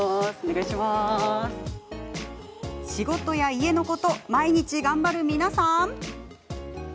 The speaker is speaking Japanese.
仕事や家のこと毎日、頑張る皆さん。